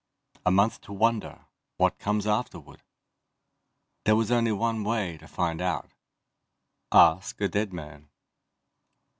A month to wonder, what comes afterward? There was one way to find out ask a dead man!